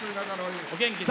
お元気で。